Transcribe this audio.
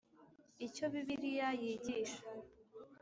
icyo bibiliya yigisha